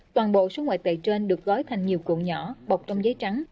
toàn bộ xuống ngoài tệ trên được gói thành nhiều cuộn nhỏ bọc trong giấy trắng